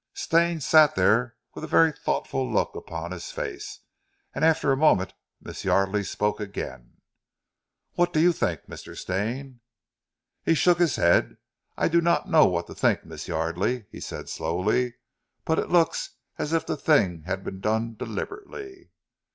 Stane sat there with a very thoughtful look upon his face; and after a moment Miss Yardely spoke again. "What do you think, Mr. Stane?" He shook his head. "I do not know what to think, Miss Yardely," he said slowly, "but it looks as if the thing had been done deliberately."